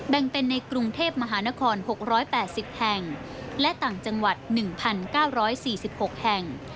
แบ่งเป็นในกรุงเทพมหานคร๖๘๐แห่งและต่างจังหวัด๑๙๔๖แห่ง